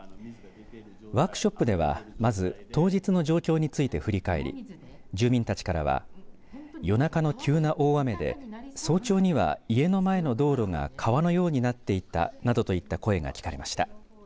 ワークショップでは、まず当日の状況について振り返り住民たちからは夜中の急な大雨で早朝には家の前の道路が川のようになっていたなどといった声が聞かれました。